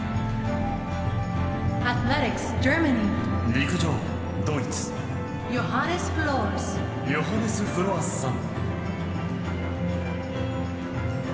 陸上、ドイツヨハネス・フロアスさん。